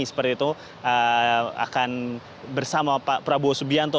seperti itu akan bersama pak prabowo subianto